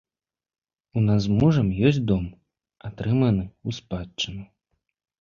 У нас з мужам ёсць дом, атрыманы ў спадчыну.